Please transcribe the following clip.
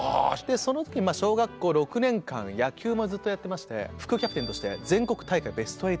その時小学校６年間野球もずっとやってまして副キャプテンとして全国大会ベスト８。